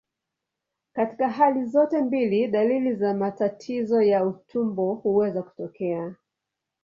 Katika hali zote mbili, dalili za matatizo ya utumbo huweza kutokea.